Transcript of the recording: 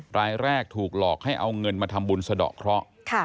รายแรกถูกหลอกให้เอาเงินมาทำบุญสะดอกเคราะห์